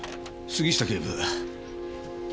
杉下警部。